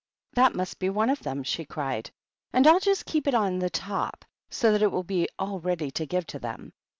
" That must be one of them !" she cried ;" and I'll just keep it on the top, so that it will be all ready to give them."